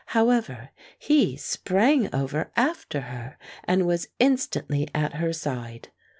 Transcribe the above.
However, he sprang over after her and was instantly at her side.